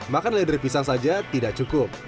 makan ledre pisang saja tidak cukup